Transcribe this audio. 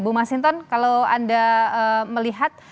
bu masinton kalau anda melihat